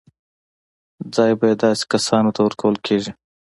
ځای به یې داسې کسانو ته ورکول کېږي.